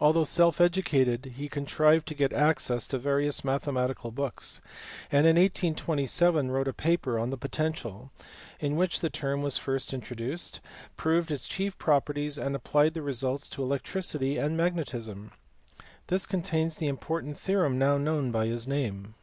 Although self educated he contrived to get access to various mathematical books, and in 1827 wrote a paper on the po tential in which the term was first introduced proved its chief properties, and applied the results to electricity and magnetism. This contains the important theorem now known by his name.